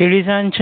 Ladies and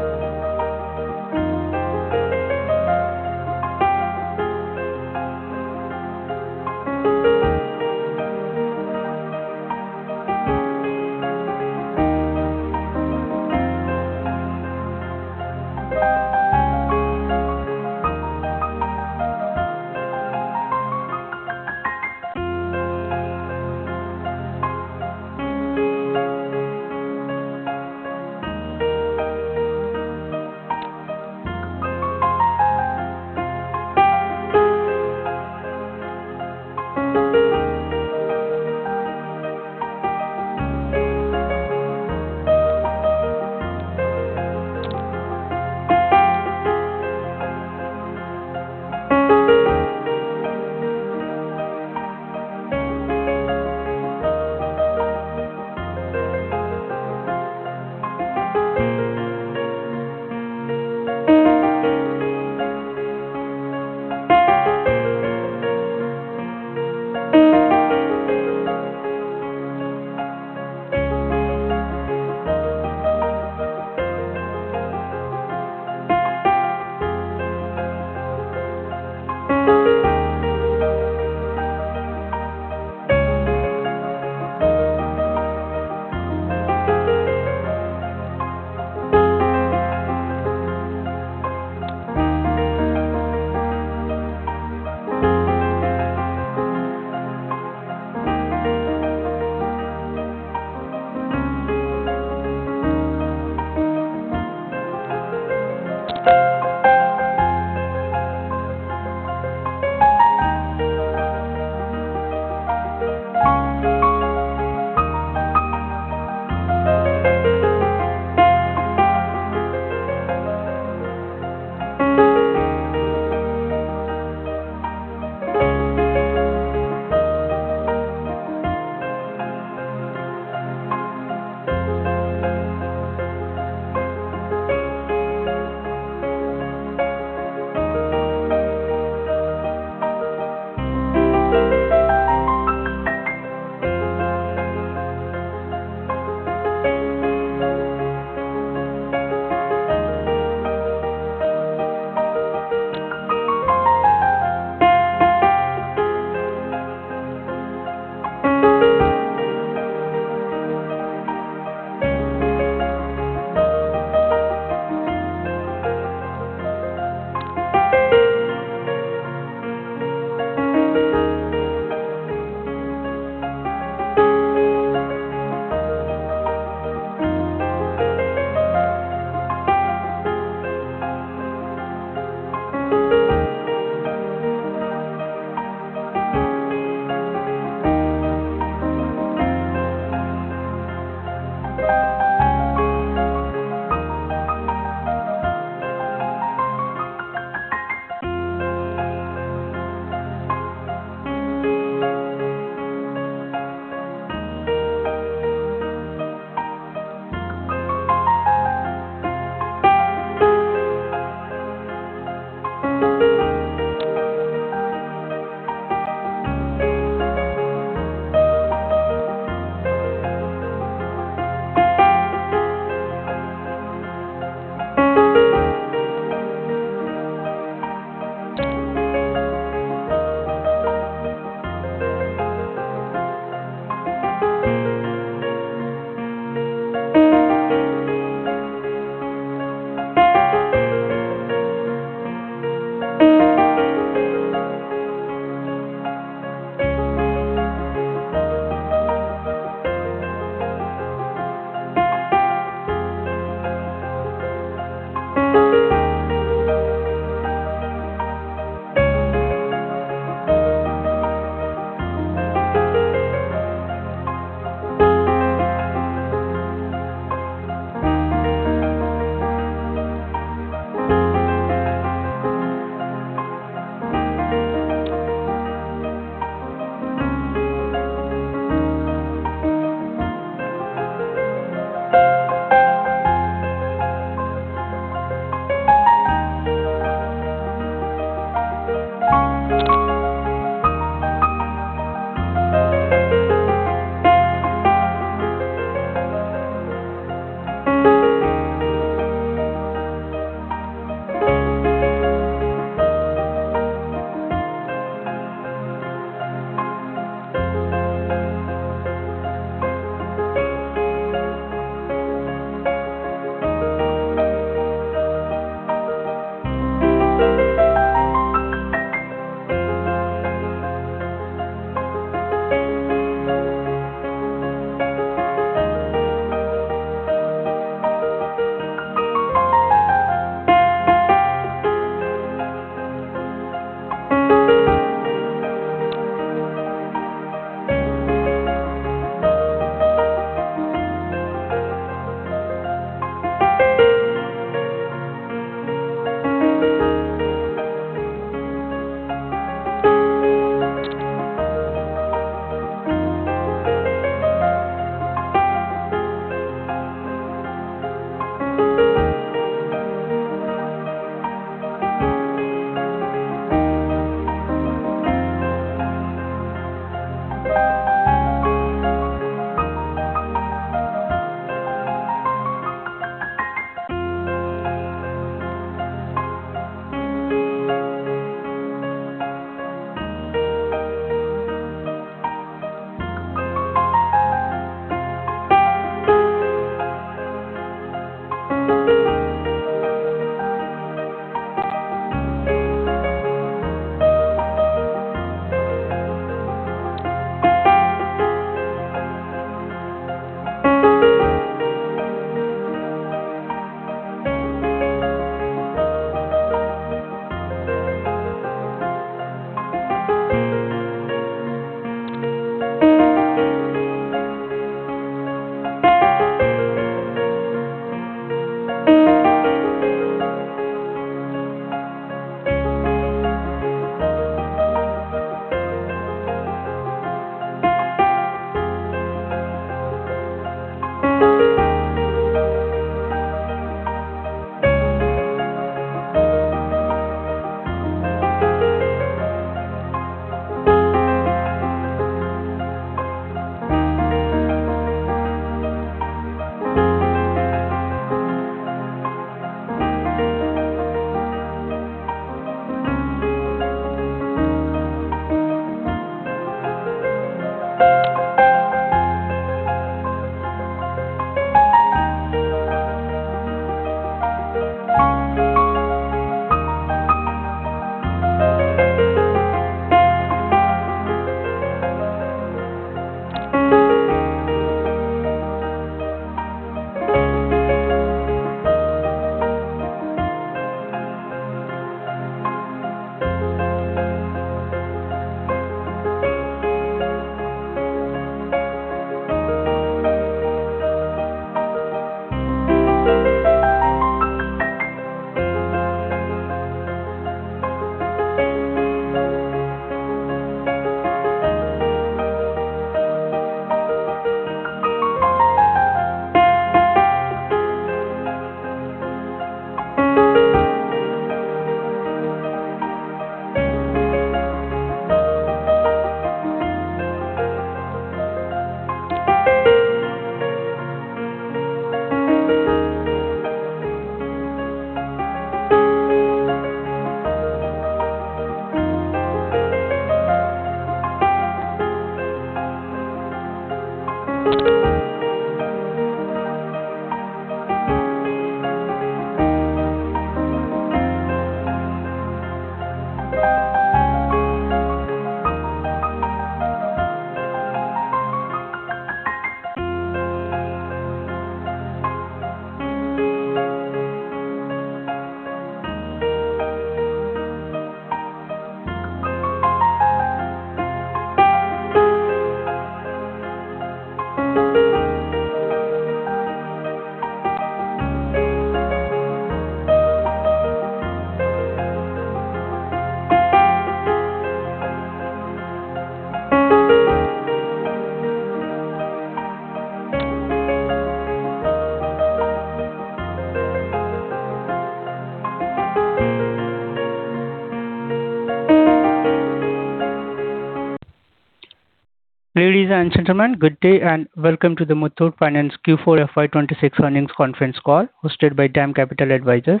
gentlemen, good day, and welcome to the Muthoot Finance Q4 FY 2026 earnings conference call hosted by DAM Capital Advisors.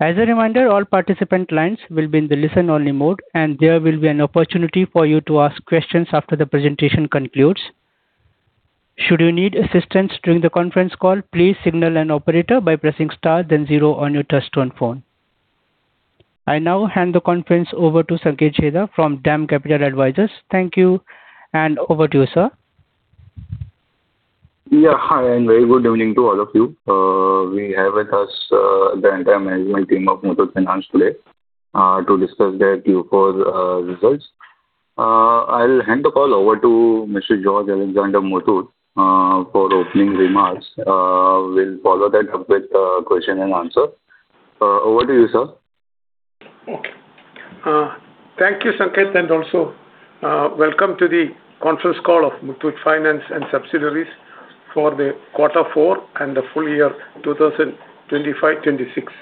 As a reminder, all participant lines will be in the listen only mode, and there will be an opportunity for you to ask questions after the presentation concludes. Should you need assistance during the conference call, please signal an operator by pressing star, then zero on your touchtone phone. I now hand the conference over to Sanket Chheda from DAM Capital Advisors. Thank you, and over to you, sir. Yeah. Hi, and very good evening to all of you. We have with us the entire management team of Muthoot Finance today to discuss their Q4 results. I'll hand the call over to Mr. George Alexander Muthoot for opening remarks. We'll follow that up with question and answer. Over to you, sir. Thank you, Sanket, and welcome to the conference call of Muthoot Finance and subsidiaries for the quarter four and the full year 2025, 2026.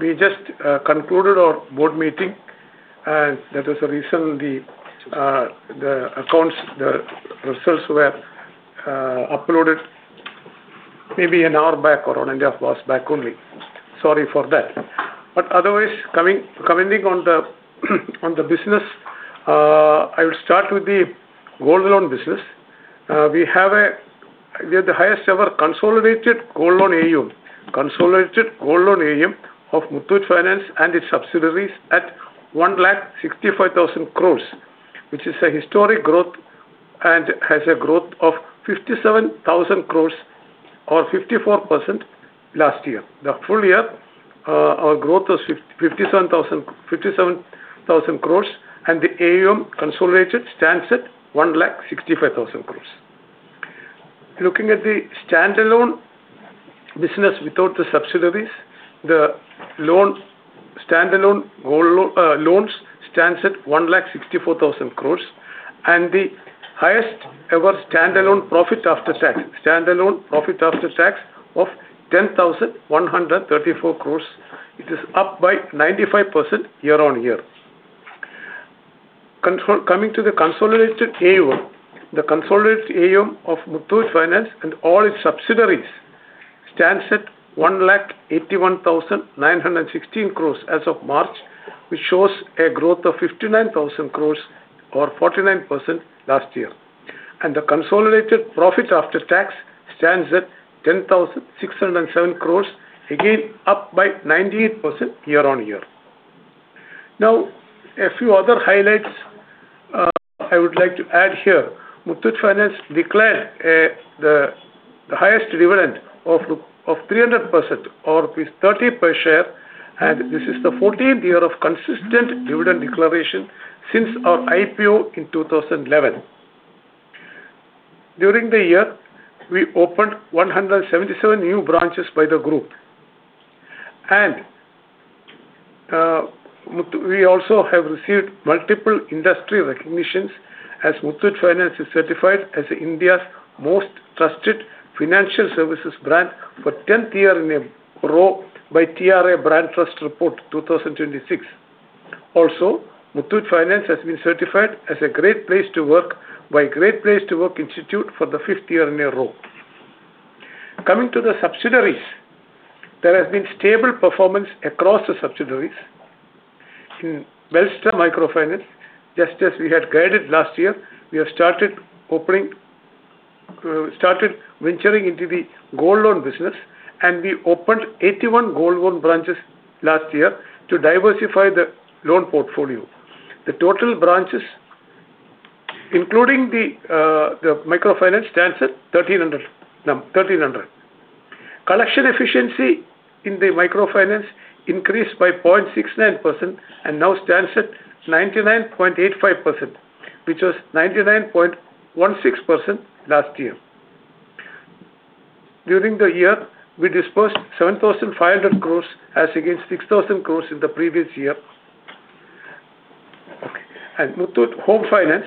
We just concluded our board meeting, and that is the reason the accounts, the results were uploaded maybe an hour back or an hour and a half back only. Sorry for that. Otherwise, commenting on the business, I will start with the gold loan business. We have the highest ever consolidated gold loan AUM. Consolidated gold loan AUM of Muthoot Finance and its subsidiaries at 165,000 crores, which is a historic growth and has a growth of 57,000 crores or 54% last year. The full year, our growth was 57,000 crores, and the AUM consolidated stands at 165,000 crores. Looking at the standalone business without the subsidiaries, the loan standalone gold loans stands at 164,000 crores, and the highest ever standalone profit after tax. Standalone profit after tax of 10,134 crores. It is up by 95% year-on-year. Coming to the consolidated AUM. The consolidated AUM of Muthoot Finance and all its subsidiaries stands at 181,916 crores as of March, which shows a growth of 59,000 crores or 49% last year. The consolidated profit after tax stands at 10,607 crores, again up by 98% year-on-year. Now, a few other highlights, I would like to add here. Muthoot Finance declared the highest dividend of 300% or rupees 30 per share. This is the 14th year of consistent dividend declaration since our IPO in 2011. During the year, we opened 177 new branches by the group. We also have received multiple industry recognitions as Muthoot Finance is certified as India's most trusted financial services brand for 10th year in a row by TRA Brand Trust Report 2026. Muthoot Finance has been certified as a great place to work by Great Place to Work Institute for the fifth year in a row. Coming to the subsidiaries, there has been stable performance across the subsidiaries. In Belstar Microfinance, just as we had guided last year, we have started opening, started venturing into the gold loan business, we opened 81 gold loan branches last year to diversify the loan portfolio. The total branches, including the microfinance, stands at 1,300. Collection efficiency in the microfinance increased by 0.69% and now stands at 99.85%, which was 99.16% last year. During the year, we disbursed 7,500 crores as against 6,000 crores in the previous year. Muthoot Home Finance,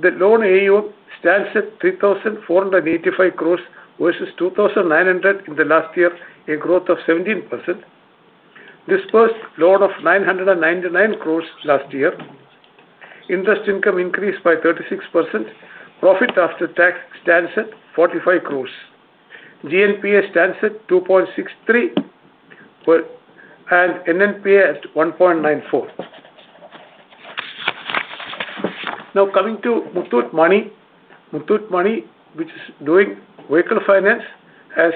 the loan AUM stands at 3,485 crores versus 2,900 crores in the last year, a growth of 17%. Disbursed loan of 999 crores last year. Interest income increased by 36%. Profit after tax stands at 45 crores. GNPA stands at 2.63% and NNPA at 1.94%. Coming to Muthoot Money. Muthoot Money, which is doing vehicle finance, has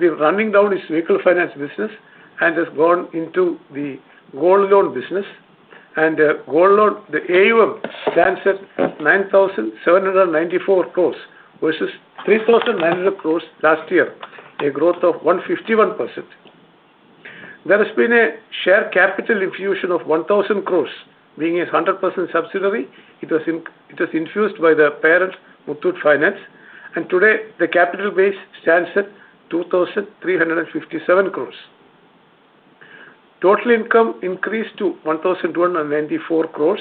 been running down its vehicle finance business and has gone into the gold loan business. Gold loan, the AUM stands at 9,794 crores versus 3,900 crores last year, a growth of 151%. There has been a share capital infusion of 1,000 crores. Being a 100% subsidiary, it was infused by the parent, Muthoot Finance. Today, the capital base stands at 2,357 crores. Total income increased to 1,294 crores.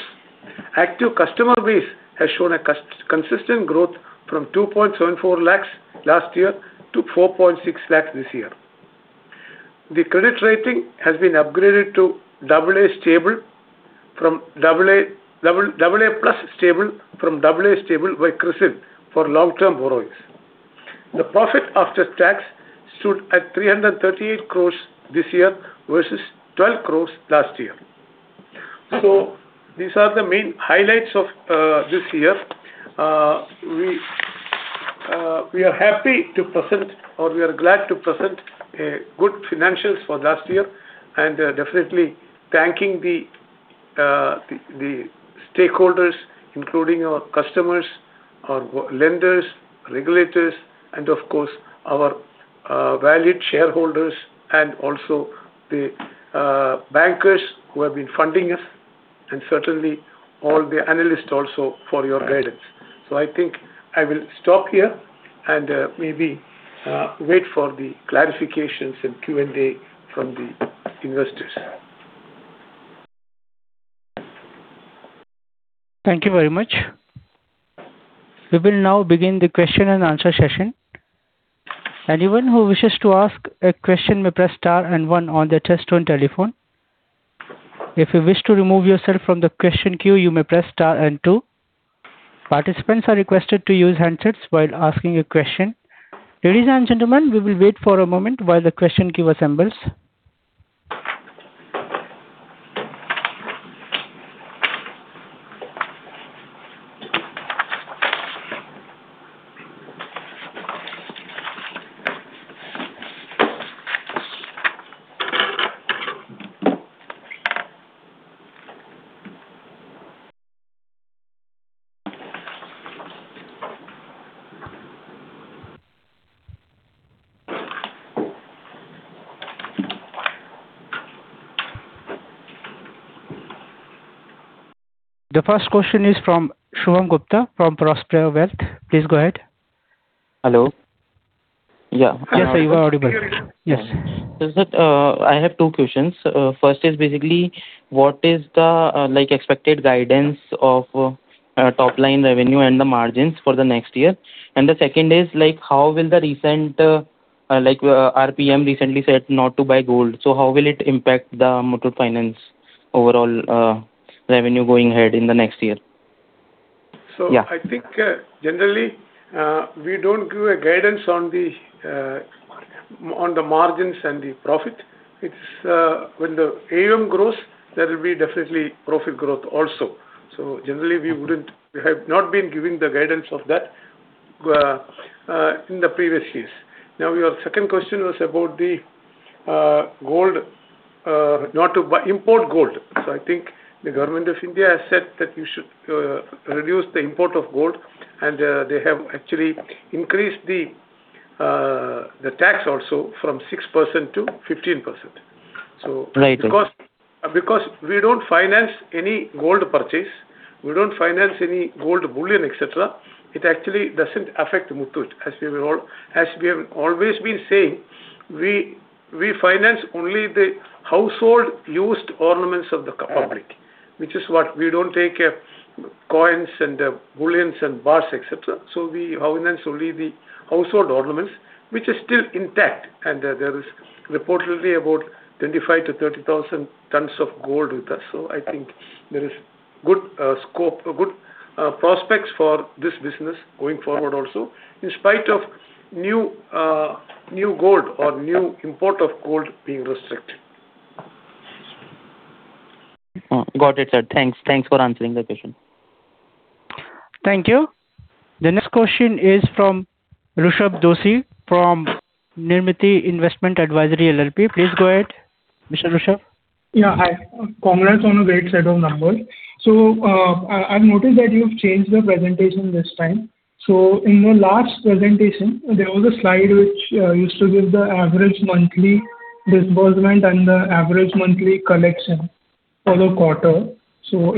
Active customer base has shown a consistent growth from 2.74 lakh last year to 4.6 lakh this year. The credit rating has been upgraded to AA+ stable from AA stable by CRISIL for long-term borrowings. The profit after tax stood at 338 crore this year versus 12 crore last year. These are the main highlights of this year. We are happy to present, or we are glad to present a good financials for last year, and definitely thanking the stakeholders, including our customers, our lenders, regulators, and of course, our valued shareholders and also the bankers who have been funding us and certainly all the analysts also for your guidance. I think I will stop here and, maybe, wait for the clarifications in Q&A from the investors. Thank you very much. We will now begin the question and answer session. Anyone who wishes to ask a question may press star and one on their touchtone telephone. If you wish to remove yourself from the question queue, you may press star and two. Participants are requested to use handsets while asking a question. Ladies and gentlemen, we will wait for a moment while the question queue assembles. The first question is from Shubham Gupta from Prospera Wealth. Please go ahead. Hello? Yeah. Yes, sir. You are audible. Yes. Sir, I have two questions. First is basically what is the, like, expected guidance of, top-line revenue and the margins for the next year? The second is, like, how will the recent, like, RBI recently said not to buy gold, so how will it impact the Muthoot Finance overall, revenue going ahead in the next year? Yeah. I think, generally, we don't give a guidance on the margins and the profit. It's, when the AUM grows, there will be definitely profit growth also. Generally we wouldn't, we have not been giving the guidance of that in the previous years. Now, your second question was about the gold, not to buy, import gold. I think the Government of India has said that you should reduce the import of gold, and they have actually increased the tax also from 6%-15%. Right. We don't finance any gold purchase, we don't finance any gold bullion, etc, it actually doesn't affect Muthoot. As we will, as we have always been saying, we finance only the household used ornaments of the public, which is what we don't take coins and bullions and bars, etc. We finance only the household ornaments, which is still intact. There is reportedly about 25,000-30,000 tons of gold with us. I think there is good scope, good prospects for this business going forward also, in spite of new gold or new import of gold being restricted. Got it, sir. Thanks. Thanks for answering the question. Thank you. The next question is from Rushabh Doshi from Nirmiti Investment Advisors LLP. Please go ahead, Mr. Rushabh. Yeah, hi. Congrats on a great set of numbers. I've noticed that you've changed the presentation this time. In your last presentation, there was a slide which used to give the average monthly disbursement and the average monthly collection for the quarter.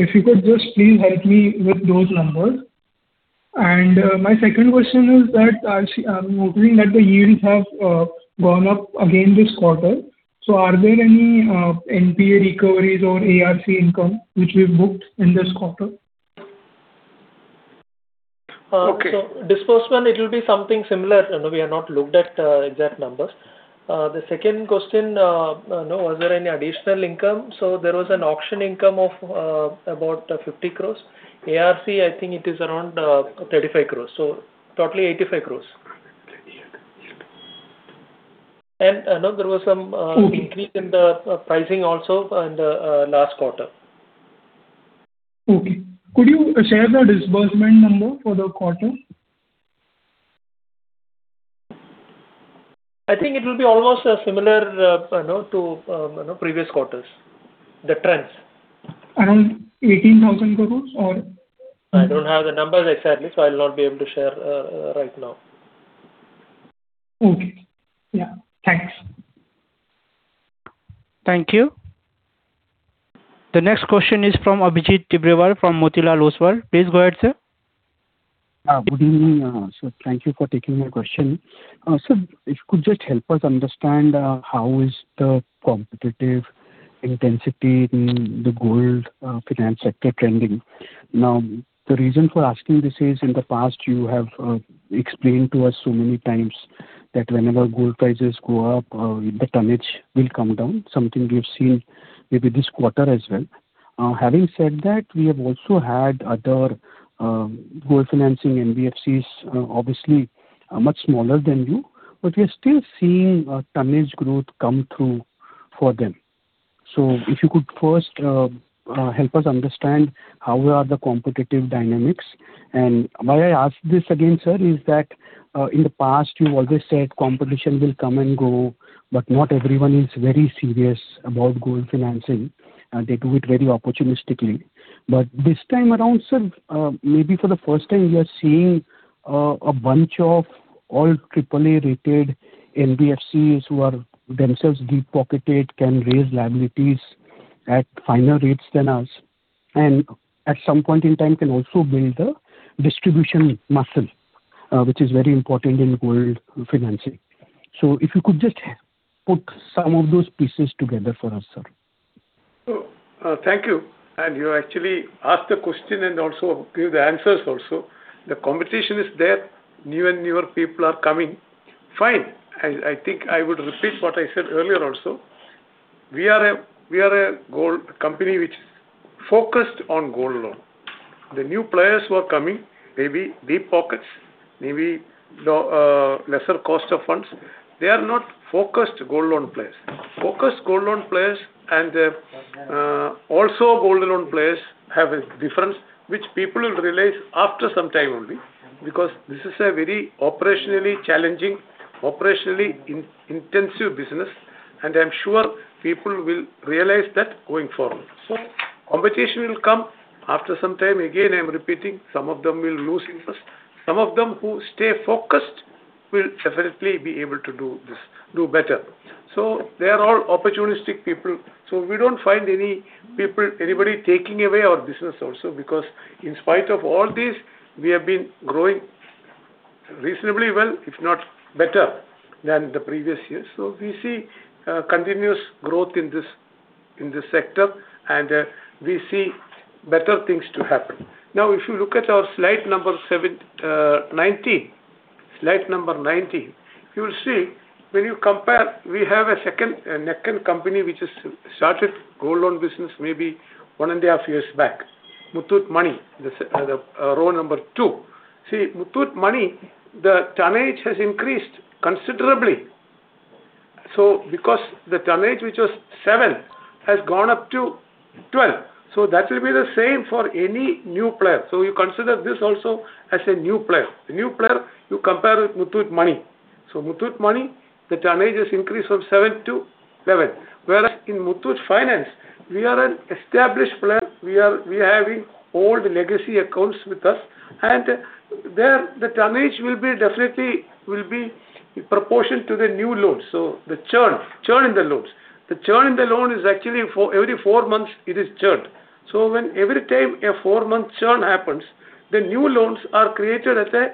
If you could just please help me with those numbers. My second question is that I'm noting that the yields have gone up again this quarter. Are there any NPA recoveries or ARC income which we've booked in this quarter? Okay. Disbursement, it will be something similar. You know, we have not looked at the exact numbers. The second question, was there any additional income? There was an auction income of about 50 crores. ARC, I think it is around 35 crores. Totally 85 crores. You know, there was some increase in the pricing also in the last quarter. Okay. Could you share the disbursement number for the quarter? I think it will be almost similar, you know, to, you know, previous quarters, the trends. Around 18,000 crores or? I don't have the numbers exactly, so I'll not be able to share, right now. Okay. Yeah. Thanks. Thank you. The next question is from Abhijit Tibrewal from Motilal Oswal. Please go ahead, sir. Good evening, sir. Thank you for taking my question. Sir, if you could just help us understand how is the competitive intensity in the gold finance sector trending. The reason for asking this is in the past you have explained to us so many times that whenever gold prices go up, the tonnage will come down. Something we've seen maybe this quarter as well. Having said that, we have also had other gold financing NBFCs, obviously much smaller than you, but we are still seeing tonnage growth come through for them. If you could first help us understand how are the competitive dynamics. Why I ask this again, sir, is that in the past you always said competition will come and go, but not everyone is very serious about gold financing. They do it very opportunistically. This time around, sir, maybe for the first time we are seeing a bunch of all AAA rated NBFCs who are themselves deep-pocketed can raise liabilities at finer rates than us, and at some point in time can also build a distribution muscle, which is very important in gold financing. If you could just put some of those pieces together for us, sir. Thank you. You actually asked the question and also gave the answers also. The competition is there. New and newer people are coming. Fine. I think I would repeat what I said earlier also. We are a gold company which is focused on gold loan. The new players who are coming, maybe deep pockets, maybe low, lesser cost of funds. They are not focused gold loan players. Focused gold loan players and also gold loan players have a difference which people will realize after some time only because this is a very operationally challenging, operationally intensive business, and I am sure people will realize that going forward. Competition will come. After some time, again, I am repeating, some of them will lose interest. Some of them who stay focused will definitely be able to do better. They are all opportunistic people. We don't find anybody taking away our business also because in spite of all this, we have been growing reasonably well, if not better than the previous years. We see continuous growth in this, in this sector, and we see better things to happen. If you look at our slide number 19, slide number 19, you will see when you compare, we have a second company which has started gold loan business maybe 1.5 years back, Muthoot Money, the row Number 2. See, Muthoot Money, the tonnage has increased considerably. Because the tonnage, which was seven, has gone up to 12. That will be the same for any new player. You consider this also as a new player. The new player you compare with Muthoot Money. Muthoot Money, the tonnage has increased from 7 to 11. Whereas in Muthoot Finance, we are an established player. We are having old legacy accounts with us. There the tonnage will be definitely in proportion to the new loans. The churn in the loans. The churn in the loan is actually every four months it is churned. When every time a four-month churn happens, the new loans are created at a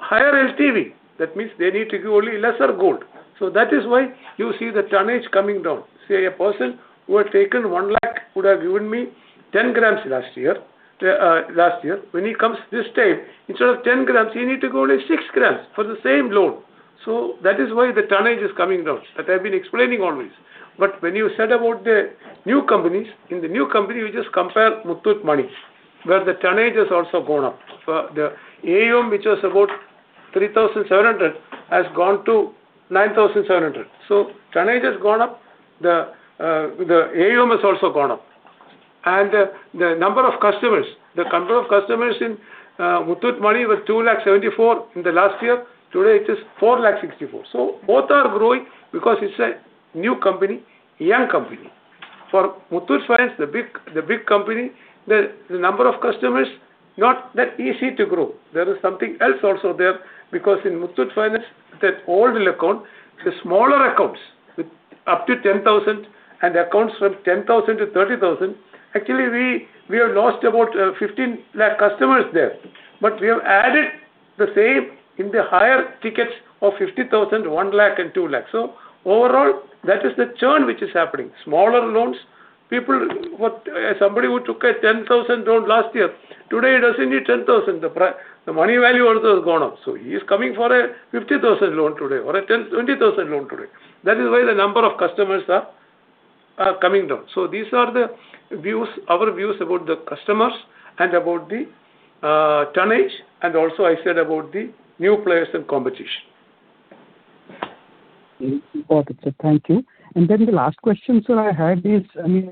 higher LTV. That means they need to give only lesser gold. That is why you see the tonnage coming down. Say a person who had taken 1 lakh would have given me 10 g last year. When he comes this time, instead of 10 g, he need to go only 6 g for the same loan. That is why the tonnage is coming down. That I've been explaining always. When you said about the new companies, in the new company you just compare Muthoot Money, where the tonnage has also gone up. The AUM, which was about 3,700, has gone to 9,700. Tonnage has gone up. The AUM has also gone up. The number of customers, the number of customers in Muthoot Money were 2.74 lakh in the last year. Today it is 4.64 lakh. Both are growing because it's a new company, a young company. For Muthoot Finance, the big company, the number of customers not that easy to grow. There is something else also there because in Muthoot Finance, that old account, the smaller accounts with up to 10,000 and accounts from 10,000-30,000, actually we have lost about 15 lakh customers there. We have added the same in the higher tickets of 50,000, 1 lakh and 2 lakh. Overall, that is the churn which is happening. Smaller loans, people what, somebody who took an 10,000 loan last year, today he doesn't need 10,000. The money value also has gone up. He is coming for an 50,000 loan today or an 10,000-20,000 loan today. That is why the number of customers are coming down. These are the views, our views about the customers and about the tonnage, and also I said about the new players and competition. Important, sir. Thank you. The last question, sir, I had is, I mean,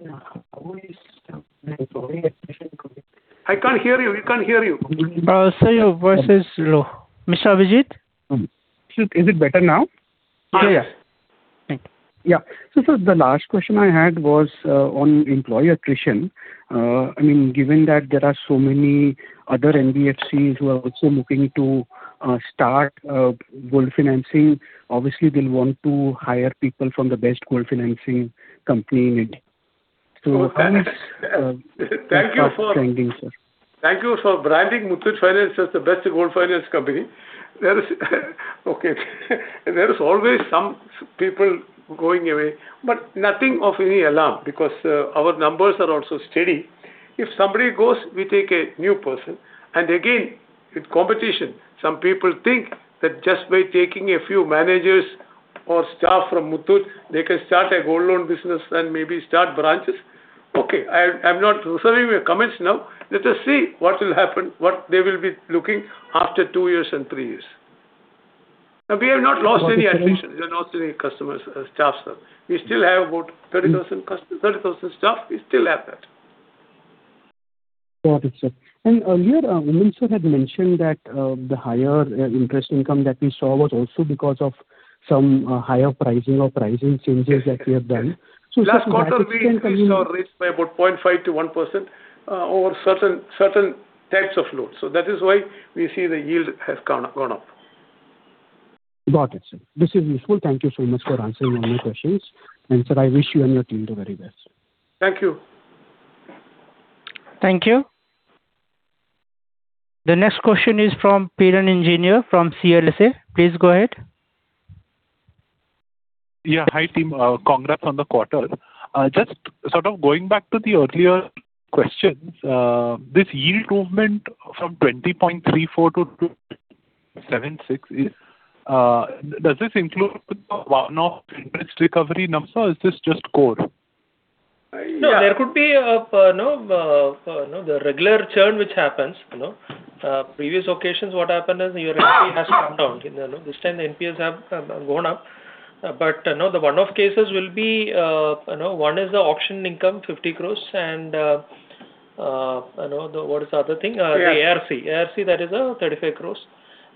how is the employee attrition going? I can't hear you. We can't hear you. Sir, your voice is low. Mr. Abhijit? Is it better now? Oh, yeah. Thank you. Yeah. Sir, the last question I had was on employee attrition. I mean, given that there are so many other NBFCs who are also looking to start gold financing, obviously they'll want to hire people from the best gold financing company in India. Thank you for branding Muthoot Finance as the best gold finance company. There is okay. There is always some people going away, nothing of any alarm because our numbers are also steady. If somebody goes, we take a new person, again, with competition, some people think that just by taking a few managers or staff from Muthoot, they can start a gold loan business and maybe start branches. Okay, I'm not reserving your comments now. Let us see what will happen, what they will be looking after two years and three years. Now, we have not lost any attrition. We have not lost any customers, staff, sir. We still have about 30,000 staff. We still have that. Got it, sir. Earlier, Oommen sir had mentioned that the higher interest income that we saw was also because of some higher pricing or pricing changes that we have done. Last quarter we saw a raise by about 0.5%-1% over certain types of loans. That is why we see the yield has gone up. Got it, sir. This is useful. Thank you so much for answering all my questions. Sir, I wish you and your team the very best. Thank you. Thank you. The next question is from Piran Engineer from CLSA. Please go ahead. Yeah, hi team. Congrats on the quarter. Just sort of going back to the earlier questions, this yield movement from 20.34%-76%, does this include the one-off interest recovery numbers, or is this just core? I, uh- No, there could be, you know, the regular churn which happens, you know. Previous occasions what happened is your NPAs has come down. You know, this time the NPAs have gone up. You know, the one-off cases will be, you know, one is the auction income, 50 crores. You know, what is the other thing? The ARC. ARC, that is, 35 crores.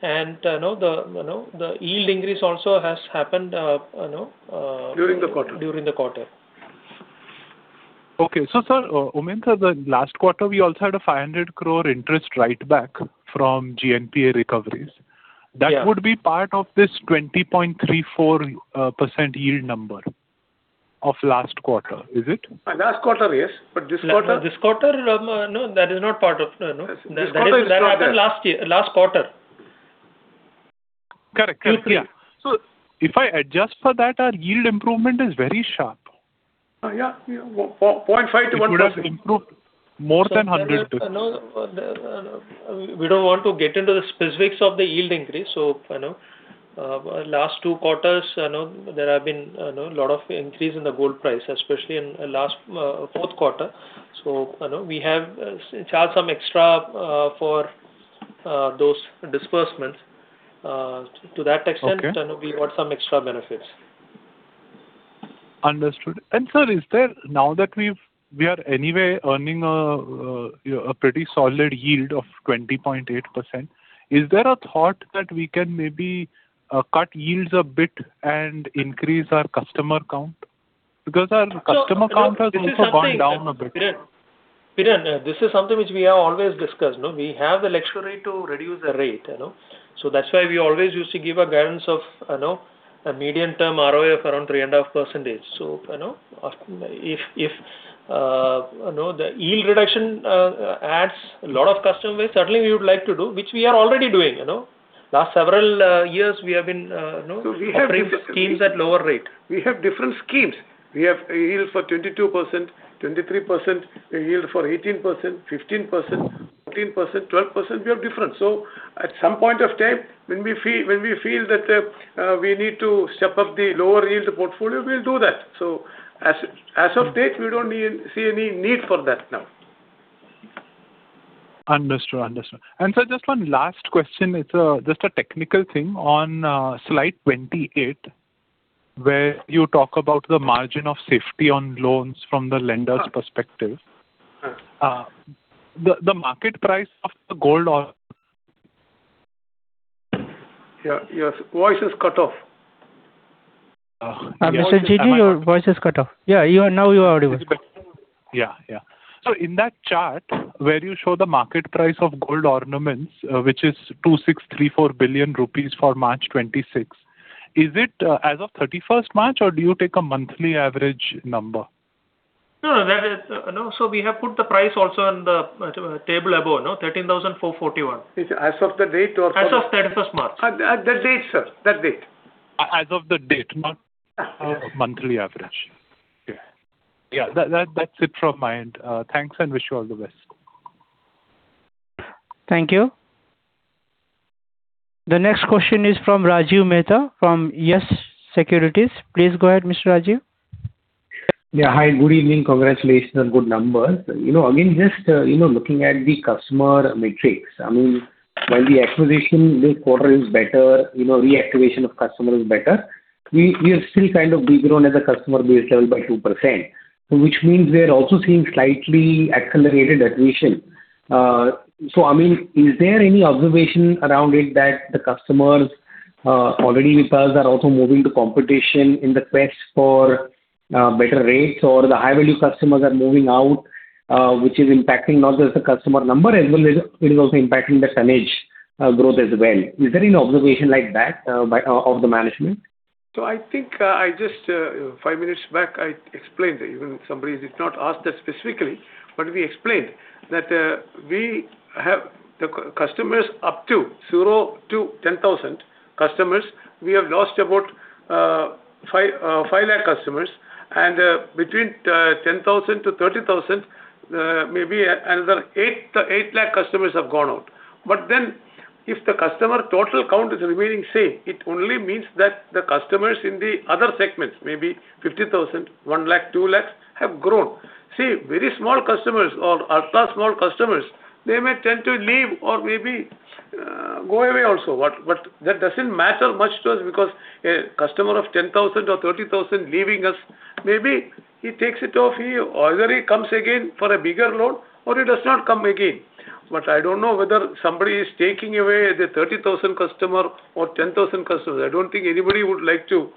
You know, the yield increase also has happened, you know. During the quarter. Okay. sir, Umap sir, the last quarter we also had a 500 crore interest write back from GNPA recoveries. Yeah. That would be part of this 20.34% yield number of last quarter, is it? Last quarter, yes. This quarter. This quarter, no, that is not part of, you know. That happened last year, last quarter. Correct. Yeah. If I adjust for that, our yield improvement is very sharp. Yeah. Yeah. 0.5%-1%. It would have improved more than 100 basis. You know, we don't want to get into the specifics of the yield increase. You know, last two quarters, you know, there have been, you know, lot of increase in the gold price, especially in last fourth quarter. You know, we have charged some extra for those disbursements. Okay. You know, we got some extra benefits. Understood. Sir, is there Now that we are anyway earning a, you know, a pretty solid yield of 20.8%, is there a thought that we can maybe cut yields a bit and increase our customer count? Because our customer count has also gone down a bit. Piran, this is something which we have always discussed, no? We have the luxury to reduce the rate, you know. That's why we always used to give a guidance of, you know, a medium-term ROE of around 3.5%. You know, if, you know, the yield reduction adds a lot of customers, certainly we would like to do, which we are already doing, you know. Last several years we have been, you know, offering schemes at lower rate. We have different schemes. We have a yield for 22%, 23%, a yield for 18%, 15%, 14%, 12%. We have different. At some point of time when we feel that we need to step up the lower yield portfolio, we'll do that. As of date, we don't need, see any need for that now. Understood. Understood. Sir, just one last question. It's just a technical thing. On Slide 28, where you talk about the margin of safety on loans from the lender's perspective. Sure. The market price of the gold. Yeah, your voice is cut off. Piran Engineer, your voice is cut off. Yeah, you are now you are audible. Yeah. In that chart where you show the market price of gold ornaments, which is 2,634 billion rupees for March 2026. Is it as of 31st March, or do you take a monthly average number? No, that is No, we have put the price also on the table above, no? 13,441. It's as of the date. As of 31st March. At that date, sir. That date. As of the date, not a monthly average. Yeah. Yeah, that's it from my end. Thanks and wish you all the best. Thank you. The next question is from Rajiv Mehta from Yes Securities. Please go ahead, Mr. Rajiv. Yeah, hi. Good evening. Congratulations on good numbers. You know, again, just, you know, looking at the customer metrics. I mean, while the acquisition this quarter is better, you know, reactivation of customer is better. We are still kind of de-grown at the customer base level by 2%, which means we are also seeing slightly accelerated attrition. I mean, is there any observation around it that the customers already with us are also moving to competition in the quest for better rates or the high-value customers are moving out, which is impacting not just the customer number as well as it is also impacting the tonnage growth as well? Is there any observation like that by the management? I think I just five minutes back I explained, even somebody did not ask that specifically, but we explained that we have the customers up to 0-10,000 customers. We have lost about 5 lakh customers and between 10,000-30,000, maybe another 8 lakh customers have gone out. If the customer total count is remaining same, it only means that the customers in the other segments, maybe 50,000, 1 lakh, 2 lakhs, have grown. See, very small customers or ultra-small customers, they may tend to leave or maybe go away also. That doesn't matter much to us because a customer of 10,000 or 30,000 leaving us, maybe he takes it off. Either he comes again for a bigger loan or he does not come again. I don't know whether somebody is taking away the 30,000 customer or 10,000 customer. I don't think anybody would like to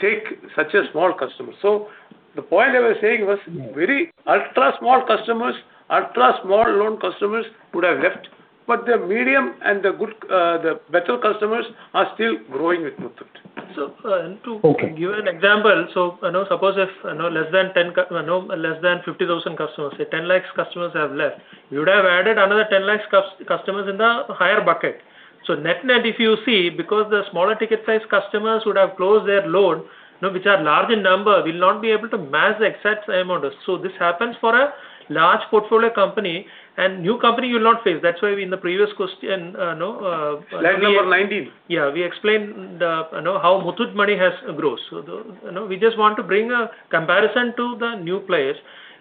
take such a small customer. The point I was saying was very ultra-small customers, ultra-small loan customers would have left, but the medium and the good, the better customers are still growing with Muthoot. So, uh, to- Okay. Give an example. I know suppose if I know less than 50,000 customers, say 10 lakh customers have left, you would have added another 10 lakh customers in the higher bucket. Net-net, if you see, because the smaller ticket size customers would have closed their loan, you know, which are large in number, will not be able to match the exact same orders. This happens for a large portfolio company and new company you will not face. That's why in the previous question, you know. Slide number 19. Yeah. We explained, you know, how Muthoot Money has grows. The, you know, we just want to bring a comparison to the new players.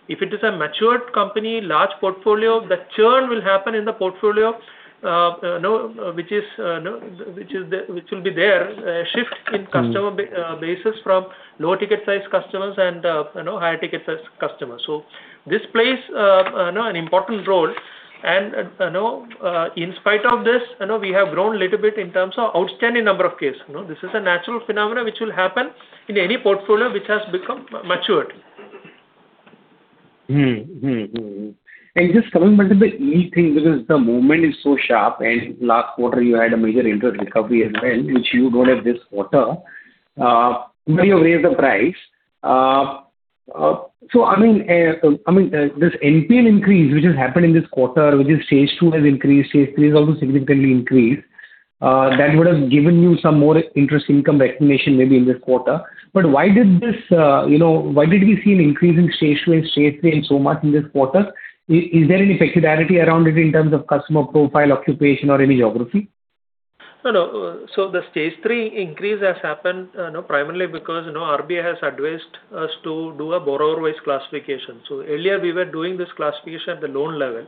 If it is a matured company, large portfolio, the churn will happen in the portfolio, you know, which is, you know, which is the, which will be there, shift in customer. Basis from low ticket size customers and, you know, higher ticket size customers. This plays, you know, an important role and, you know, in spite of this, you know, we have grown a little bit in terms of outstanding number of case. You know, this is a natural phenomena which will happen in any portfolio which has become matured. Mm-hmm. Mm-hmm. Mm-hmm. Just coming back to the yield thing, because the movement is so sharp, and last quarter you had a major interest recovery as well, which you don't have this quarter. Well, you've raised the price. So I mean, I mean, this NPA increase which has happened in this quarter, which is Stage 2 has increased, Stage 3 has also significantly increased, that would have given you some more interest income recognition maybe in this quarter. Why did this, you know, why did we see an increase in Stage 2 and Stage 3 and so much in this quarter? Is there any peculiarity around it in terms of customer profile, occupation or any geography? No, no. The Stage 3 increase has happened, you know, primarily because, you know, RBI has advised us to do a borrower-wise classification. Earlier we were doing this classification at the loan level.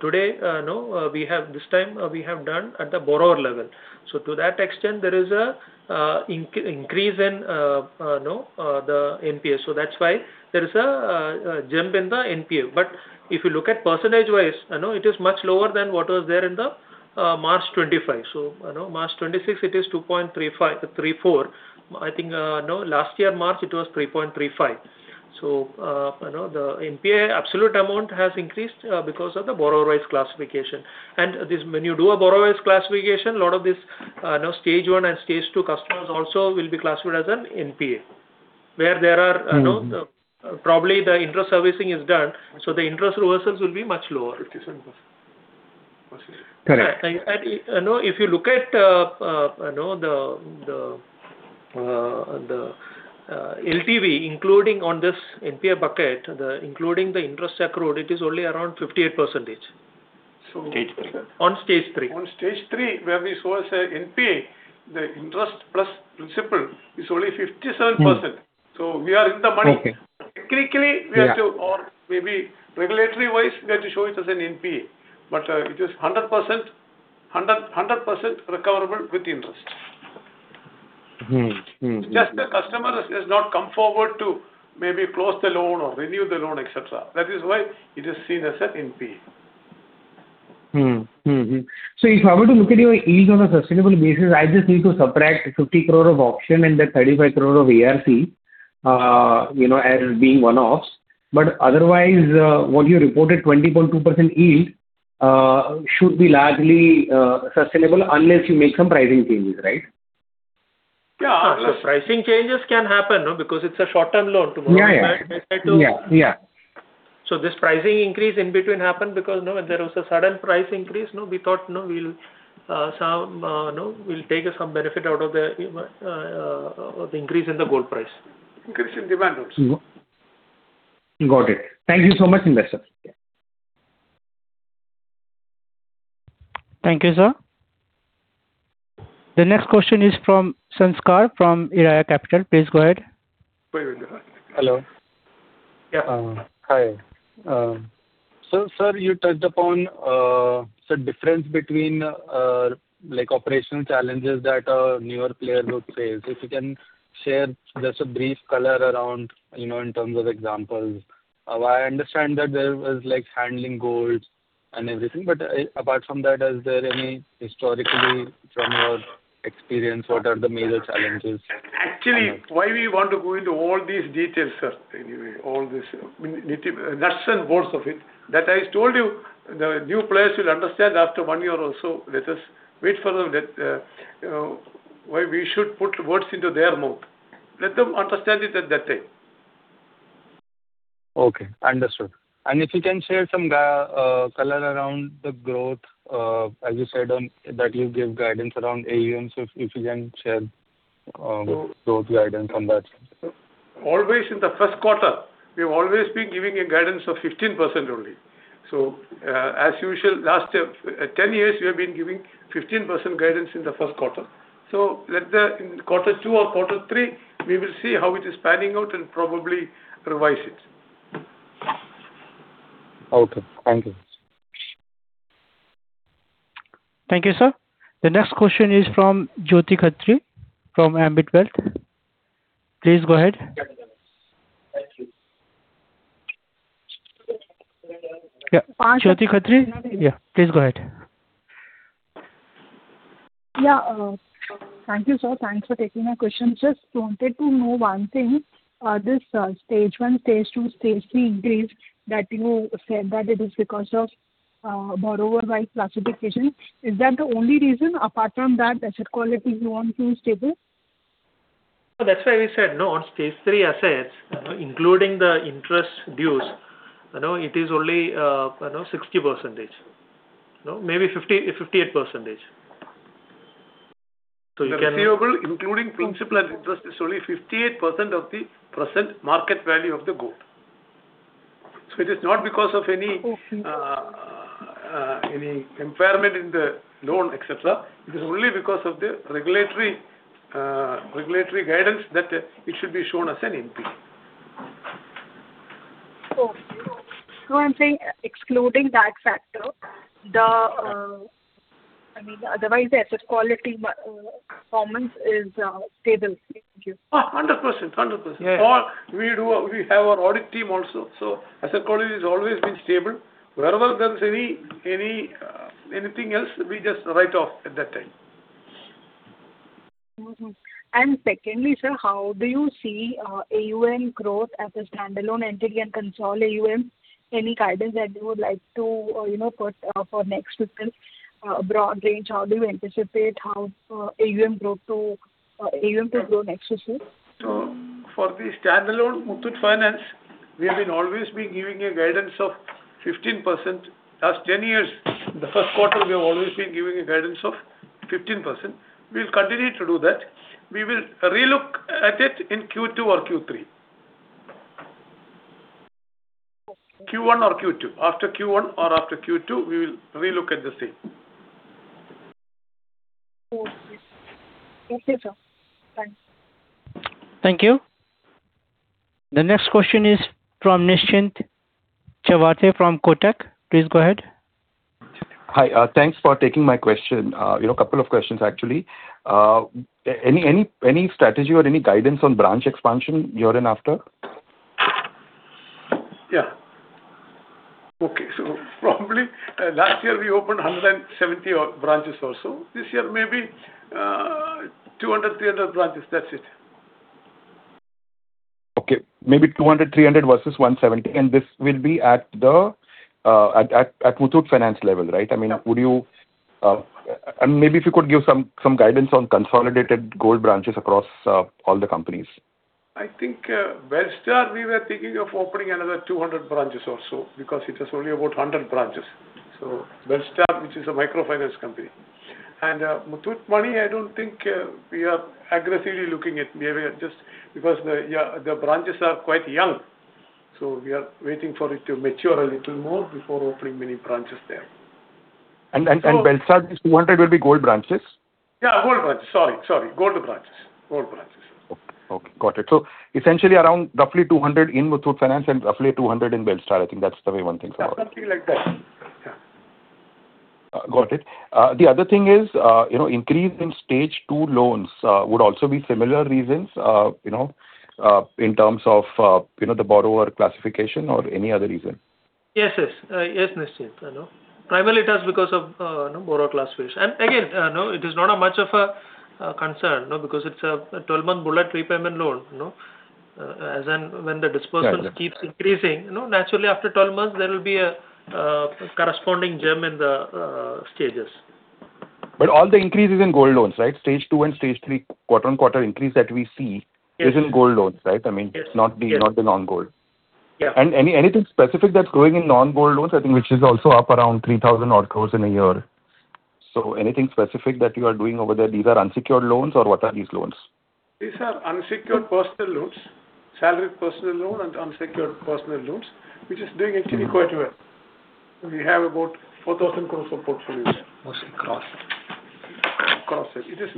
Today, you know, we have this time, we have done at the borrower level. To that extent there is a increase in, you know, the NPA. That's why there is a jump in the NPA. If you look at percentage-wise, you know, it is much lower than what was there in the March 2025. You know, March 2026 it is 2.3534%. I think, you know, last year March it was 3.35%. You know, the NPA absolute amount has increased because of the borrower-wise classification. This when you do a borrower-wise classification, a lot of this, you know, Stage 1 and Stage 2 customers also will be classified as an NPA, where there are. Probably the interest servicing is done, so the interest reversals will be much lower. 57%. Correct. You know, if you look at, you know, the LTV including on this NPA bucket, including the interest accrued, it is only around 58%. Stage 3. On Stage 3. On Stage 3, where we show as a NPA, the interest plus principal is only 57%. We are in the money. Okay. Technically we have to- Yeah. Maybe regulatory-wise we have to show it as an NPA, but, it is 100%, 100% recoverable with interest. Mm-hmm. Mm-hmm. Just the customer has not come forward to maybe close the loan or renew the loan, etc. That is why it is seen as an NPA. Mm-hmm. Mm-hmm. If I were to look at your yield on a sustainable basis, I just need to subtract 50 crore of auction and that 35 crore of ARC, you know, as being one-offs. Otherwise, what you reported, 20.2% yield, should be largely sustainable unless you make some pricing changes, right? Yeah. Pricing changes can happen, you know, because it's a short-term loan to. Yeah, yeah. Try to- Yeah, yeah. This pricing increase in between happened because, you know, when there was a sudden price increase, you know, we thought, you know, we'll, you know, take some benefit of the increase in the gold price. Increase in demand also. Got it. Thank you so much, Nilesh sir. Thank you, sir. The next question is from Sanskar from Iraya Capital. Please go ahead. Wait a minute. Hello. Yeah. Hi. Sir, you touched upon like operational challenges that a newer player would face. If you can share just a brief color around, you know, in terms of examples. I understand that there was like handling gold and everything, apart from that, is there any historically from your experience, what are the major challenges? Actually, why we want to go into all these details, sir? All this, I mean, nuts and bolts of it. I told you the new players will understand after one year or so. Let us wait for them. Let, you know, why we should put words into their mouth. Let them understand it at that time. Okay, understood. If you can share some color around the growth, as you said on, that you gave guidance around AUM. If you can share growth guidance on that. Always in the first quarter, we've always been giving a guidance of 15% only. As usual, last 10 years we have been giving 15% guidance in the first quarter. In quarter two or quarter three, we will see how it is panning out and probably revise it. Okay, thank you. Thank you, sir. The next question is from Jyoti Khatri from Ambit Wealth. Please go ahead. Thank you. Yeah. Jyoti Khatri? Yeah, please go ahead. Yeah. Thank you, sir. Thanks for taking my question. Just wanted to know 1 thing. This, Stage 1, Stage 2, Stage 3 increase that you said that it is because of borrower-wise classification. Is that the only reason? Apart from that, the asset quality you want to keep stable? No, that's why we said no. On Stage 3 assets, you know, including the interest dues, you know, it is only, you know, 60%. You know, maybe 50%-58%. The receivable, including principal and interest, is only 58% of the present market value of the gold. It is not because of any- Okay. Any impairment in the loan, etc. It is only because of the regulatory guidance that it should be shown as an NPA. I'm saying excluding that factor, the, I mean, otherwise the asset quality, performance is stable. Thank you. Oh, 100%. 100%. Yeah. For we do, we have our audit team also. Asset quality has always been stable. Wherever there's any anything else, we just write off at that time. Secondly, sir, how do you see AUM growth as a standalone entity and console AUM? Any guidance that you would like to, you know, put for next fiscal, broad range, how do you anticipate how AUM growth to AUM could grow next fiscal? For the standalone Muthoot Finance, we have always been giving a guidance of 15%. Last 10 years, the first quarter we have always been giving a guidance of 15%. We'll continue to do that. We will re-look at it in Q2 or Q3. Okay. Q1 or Q2. After Q1 or after Q2, we will re-look at the same. Cool. Thank you, sir. Thanks. Thank you. The next question is from Nishchint Chawathe from Kotak. Please go ahead. Hi. Thanks for taking my question. You know, couple of questions actually. Any strategy or any guidance on branch expansion year and after? Yeah. Okay. Probably, last year we opened 170 branches or so. This year, maybe, 200, 300 branches. That's it. Okay. Maybe 200, 300 versus 170. This will be at the Muthoot Finance level, right? I mean, would you. Maybe if you could give some guidance on consolidated gold branches across all the companies. I think, Belstar we were thinking of opening another 200 branches or so because it has only about 100 branches. Belstar, which is a microfinance company. Muthoot Money, I don't think we are aggressively looking at. Maybe we are just, because the, yeah, the branches are quite young, so we are waiting for it to mature a little more before opening many branches there. Belstar, this 200 will be gold branches? Yeah, gold branches. Sorry. Gold branches. Okay. Got it. Essentially around roughly 200 in Muthoot Finance and roughly 200 in Belstar. I think that's the way one thinks about it. Yeah, something like that. Yeah. Got it. The other thing is, you know, increase in Stage 2 loans, would also be similar reasons, you know, in terms of, you know, the borrower classification or any other reason? Yes, yes. Yes, Nishchint. You know, primarily it is because of, you know, borrower classification. Again, you know, it is not much of a concern, you know, because it's a 12-month bullet repayment loan, you know. As and when the dispersal. Got it. Keeps increasing, you know, naturally after 12 months there will be a corresponding grade in the stages. All the increase is in gold loans, right? Stage 2 and Stage 3 quarter-on-quarter increase that we see. Yes. Is in gold loans, right? I mean. Yes. Not the non-gold. Yeah. Anything specific that's growing in non-gold loans, I think which is also up around 3,000 odd crores in a year. Anything specific that you are doing over there? These are unsecured loans or what are these loans? These are unsecured personal loans, salaried personal loan and unsecured personal loans, which is doing actually quite well. We have about 4,000 crores of portfolio there. Mostly cross-sell. Cross-sell. It's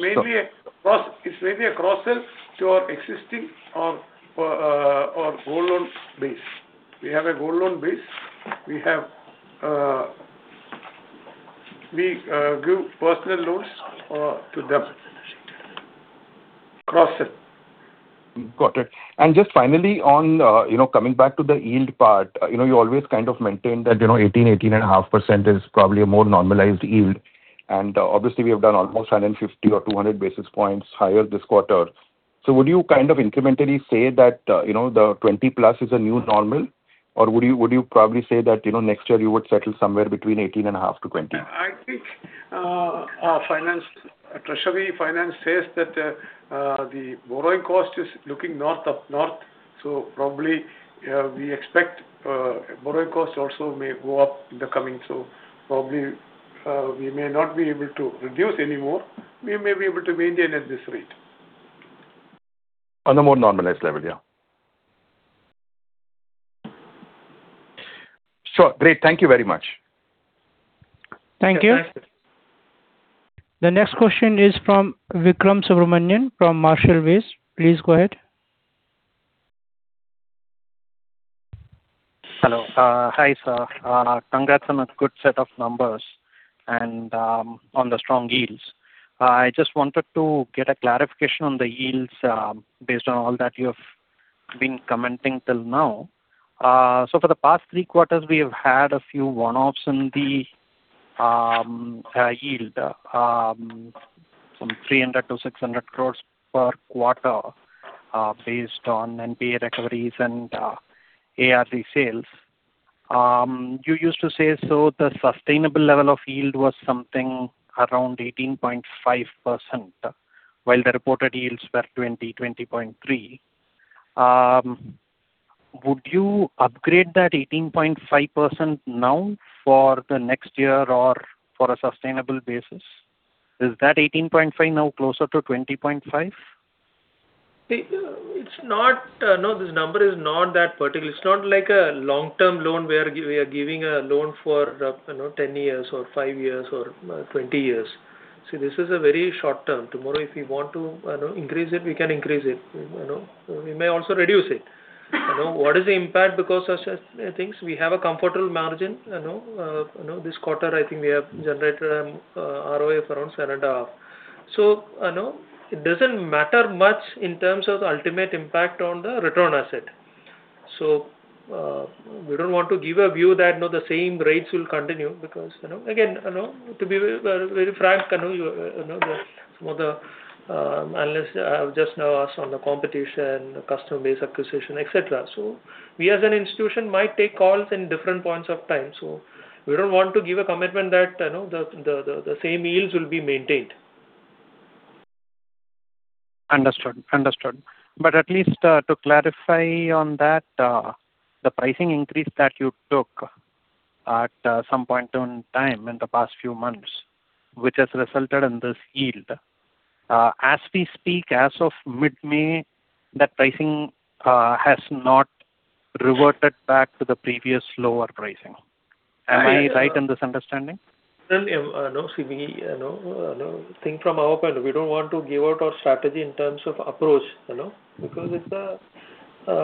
mainly a cross-sell to our existing or our gold loan base. We have a gold loan base. We give personal loans to them. Cross-sell. Got it. Just finally on, you know, coming back to the yield part, you know, you always kind of maintain that, you know, 18%, 18.5% is probably a more normalized yield. Obviously we have done almost 150 or 200 basis points higher this quarter. Would you kind of incrementally say that, you know, the 20%+ is a new normal? Would you probably say that, you know, next year you would settle somewhere between 18.5% to 20%? Our finance, treasury finance says that the borrowing cost is looking north of north. Probably, we expect borrowing costs also may go up in the coming. Probably, we may not be able to reduce any more. We may be able to maintain at this rate. On a more normalized level, yeah. Sure. Great. Thank you very much. Thank you. Thank you. The next question is from Vikram Subramanian from Marshall Wace. Please go ahead. Hello. Hi, sir. Congrats on a good set of numbers and on the strong yields. I just wanted to get a clarification on the yields, based on all that you have been commenting till now. For the past three quarters, we have had a few one-offs in the yield. From 300 crore-600 crore per quarter, based on NPA recoveries and ARC sales. You used to say the sustainable level of yield was something around 18.5%, while the reported yields were 20%, 20.3%. Would you upgrade that 18.5% now for the next year or for a sustainable basis? Is that 18.5% now closer to 20.5%? It's not, no, this number is not that particular. It's not like a long-term loan where we are giving a loan for, you know, 10 years or five years or 20 years. This is a very short-term. Tomorrow, if we want to, you know, increase it, we can increase it, you know. We may also reduce it. You know, what is the impact because of such things? We have a comfortable margin, you know. You know, this quarter, I think we have generated ROA of around 7.5. You know, it doesn't matter much in terms of the ultimate impact on the return asset. We don't want to give a view that, you know, the same rates will continue because, you know, again, you know, to be very frank, you know, you know, some of the analysts have just now asked on the competition, the customer base acquisition, etc. We as an institution might take calls in different points of time, we don't want to give a commitment that, you know, the same yields will be maintained. Understood. Understood. At least, to clarify on that, the pricing increase that you took at, some point in time in the past few months, which has resulted in this yield. As we speak, as of mid-May, that pricing, has not reverted back to the previous lower pricing. Am I right in this understanding? No, you know, see, we, you know, think from our point, we don't want to give out our strategy in terms of approach, you know, because it's a, you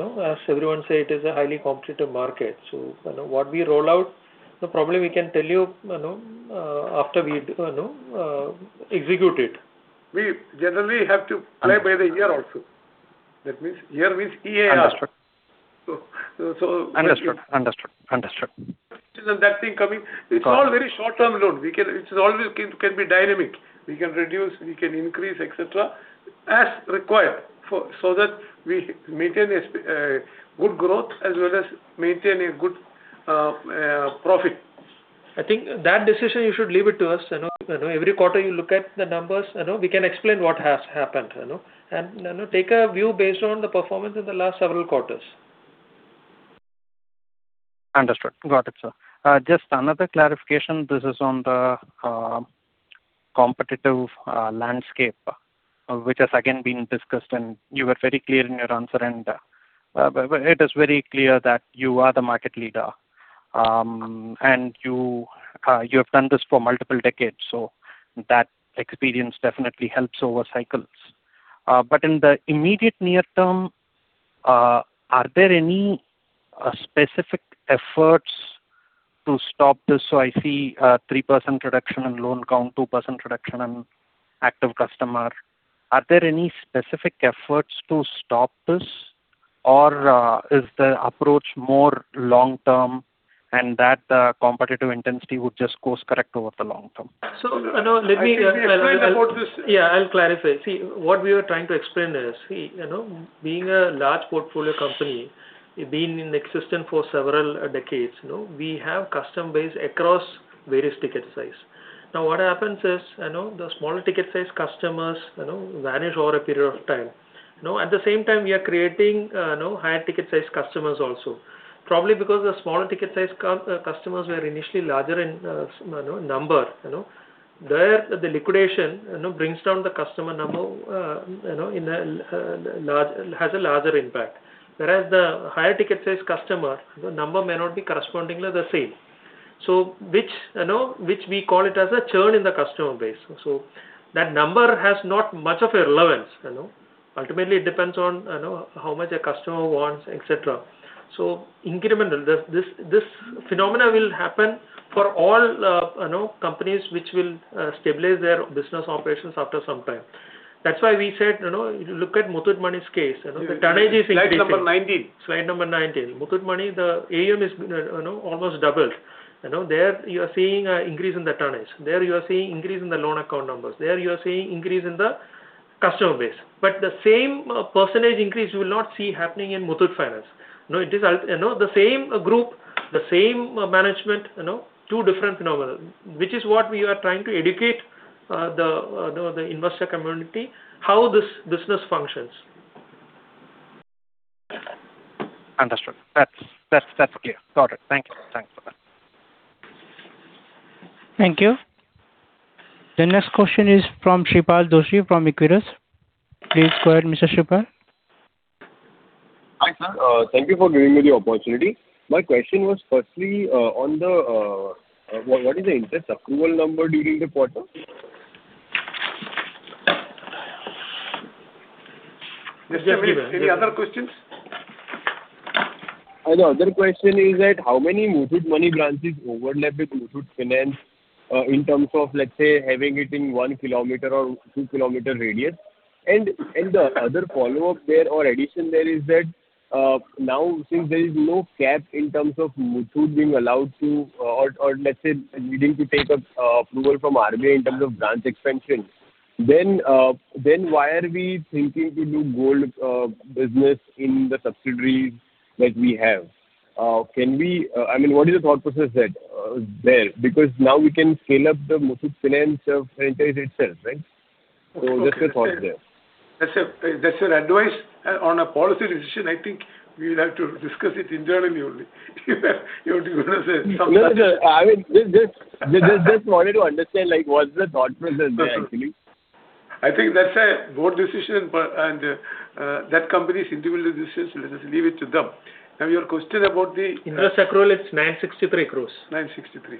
know, as everyone say, it is a highly competitive market. What we roll out, probably we can tell you know, after we execute it. We generally have to play by the EAR also. That means EAR means EAR. Understood. So. Understood. Understood. Understood. That thing coming. It's all very short-term loan. It's always can be dynamic. We can reduce, we can increase, etc, as required for, so that we maintain a good growth as well as maintain a good profit. I think that decision you should leave it to us. You know, every quarter you look at the numbers, you know, we can explain what has happened, you know, and, you know, take a view based on the performance in the last several quarters. Understood. Got it, sir. Just another clarification. This is on the competitive landscape, which has again been discussed, and you were very clear in your answer, and it is very clear that you are the market leader. You have done this for multiple decades, so that experience definitely helps over cycles. In the immediate near-term, are there any specific efforts to stop this? I see a 3% reduction in loan count, 2% reduction in active customer. Is the approach more long term and that competitive intensity would just course correct over the long term? So, you know, let me- I think we have said about this. Yeah, I'll clarify. What we were trying to explain is, see, you know, being a large portfolio company, been in existence for several decades, you know, we have customer base across various ticket size. What happens is, you know, the smaller ticket size customers, you know, vanish over a period of time. At the same time, we are creating, you know, higher ticket size customers also. Probably because the smaller ticket size customers were initially larger in, you know, number, you know. The liquidation, you know, brings down the customer number, you know, has a larger impact. Whereas the higher ticket size customer, the number may not be correspondingly the same. Which, you know, which we call it as a churn in the customer base. That number has not much of a relevance, you know. Ultimately, it depends on, you know, how much a customer wants, etc. Incremental. This phenomena will happen for all, you know, companies which will stabilize their business operations after some time. That's why we said, you know, look at Muthoot Money's case. You know, the tonnage is increasing. Slide number 19. Slide number 19. Muthoot Money, the AUM is, you know, almost doubled. You know, there you are seeing an increase in the tonnage. There you are seeing increase in the loan account numbers. There you are seeing increase in the customer base. The same percentage increase you will not see happening in Muthoot Finance. You know, it is, you know, the same group. The same management, you know, two different phenomenon. Which is what we are trying to educate, the investor community how this business functions. Understood. That's clear. Got it. Thank you. Thanks for that. Thank you. The next question is from Shreepal Doshi from Equirus. Please go ahead, Mr. Shreepal. Hi, sir. Thank you for giving me the opportunity. My question was firstly, on the, what is the interest accrual number during the quarter? Mr. Shreepal. Just a minute. Any other questions? The other question is that how many Muthoot Money branches overlap with Muthoot Finance in terms of, let's say, having it in 1 kmr or 2 km radius? The other follow-up there or addition there is that now since there is no cap in terms of Muthoot being allowed to, or let's say needing to take a approval from RBI in terms of branch expansion, then why are we thinking to do gold business in the subsidiaries that we have? Can we I mean, what is your thought process there? Because now we can scale up the Muthoot Finance franchise itself, right? Okay. Just a thought there. That's an advice on a policy decision. I think we will have to discuss it internally only. No, sir. I mean, just wanted to understand, like, what's the thought process there actually. I think that's a board decision but that company's individual decisions, let us leave it to them. Interest accrual, it's 963 crores. 963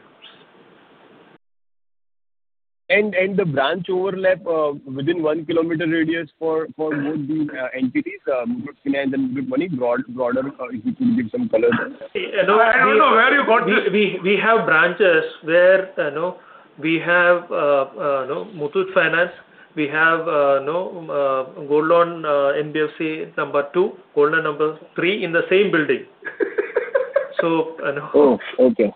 crores. The branch overlap within 1 km radius for both the entities, Muthoot Finance and Muthoot Money, broad, broader, if you can give some color. You know, I I don't know where you got this. We have branches where, you know, we have, you know, Muthoot Finance, we have, you know, gold loan NBFC number 2, gold loan number 3 in the same building. Oh, okay.